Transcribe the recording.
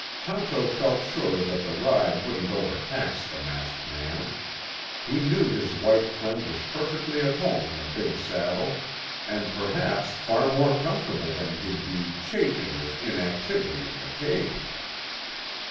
Tonto felt sure that the ride wouldn't overtax the masked man. He knew his white friend was perfectly at home in the big saddle and perhaps far more comfortable than he'd be chafing with inactivity in the cave.